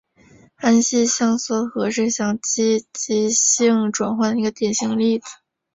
安息香缩合是羰基极性转换的一个典型例子。